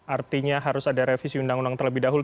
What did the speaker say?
artinya harus ada revisi undang undang terlebih dahulu